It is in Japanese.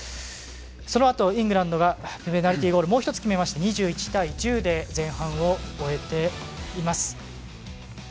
そのあと、イングランドがペナルティゴールもう１つ決めまして２１対１０で前半を終えています。